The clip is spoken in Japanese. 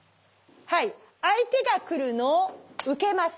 はい相手が来るのを受けます。